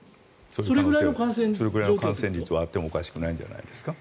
それくらいの感染率はあってもおかしくないんじゃないですか。